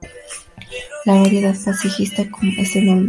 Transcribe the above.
La variedad paisajística es enorme.